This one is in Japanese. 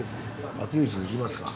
熱いうちにいきますか。